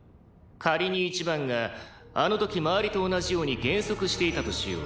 仮に１番があの時周りと同じように減速していたとしよう。